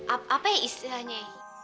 apa ya istilahnya